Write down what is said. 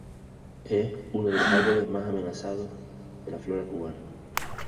Es uno de los árboles más amenazados de la flora cubana.